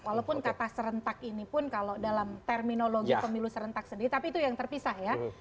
walaupun kata serentak ini pun kalau dalam terminologi pemilu serentak sendiri tapi itu yang terpisah ya